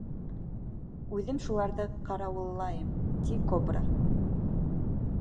Үҙем шуларҙы ҡарауыллайым, ти кобра.